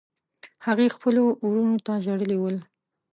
هغې خپلو وروڼو ته ژړلي ول.